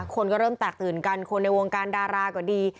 คนก็เริ่มแตกตื่นกันคนในวงการดาราก็ดี